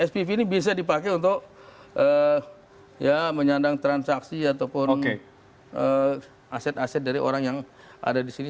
spv ini bisa dipakai untuk menyandang transaksi ataupun aset aset dari orang yang ada di sini